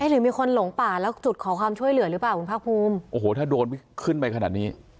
หรือมีคนหลงป่าแล้วจุดขอความช่วยเหลือหรือเปล่าคุณภาคภูมิโอ้โหถ้าโดนขึ้นไปขนาดนี้